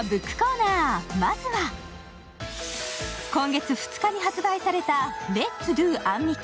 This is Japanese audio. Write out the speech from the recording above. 今月２日に発売された「Ｌｅｔ’ｓＤｏアンミカ！